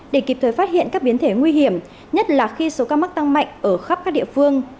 để kịp thời phát hiện các biến thể nguy hiểm nhất là khi số ca mắc tăng mạnh ở khắp các địa phương